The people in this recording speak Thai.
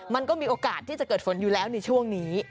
มันก็มีโอกาสที่จะเกิดฝนอยู่แล้วในช่วงนี้